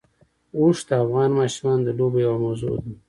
اوښ د افغان ماشومانو د لوبو یوه موضوع ده.